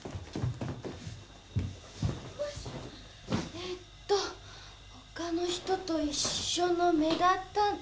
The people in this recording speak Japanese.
えっと他の人と一緒の目立た。